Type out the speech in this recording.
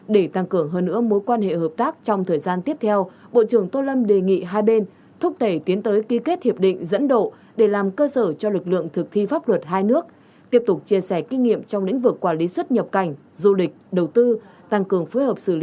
để tăng cường hơn nữa mối quan hệ hợp tác trong thời gian tiếp theo bộ trưởng tô lâm đề nghị hai bên thúc đẩy tiến tới ký kết hiệp định dẫn độ để làm cơ sở cho lực lượng thực thi pháp luật hai nước tiếp tục chia sẻ kinh nghiệm trong lĩnh vực quản lý xuất nhập cảnh du lịch đầu tư tăng cường phối hợp xử lý